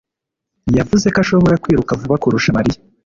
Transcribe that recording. yavuze ko ashobora kwiruka vuba kurusha Mariya.